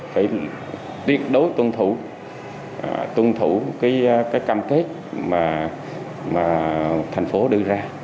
phải tuyệt đối tuân thủ tuân thủ cái cam kết mà thành phố đưa ra